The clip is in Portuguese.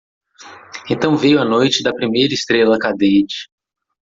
Então veio a noite da primeira estrela cadente.